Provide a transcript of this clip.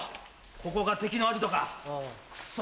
ここが敵のアジトかクソ！